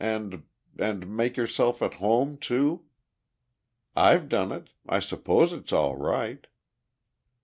And ... and make yourself at home, too? I've done it. I suppose it's all right...."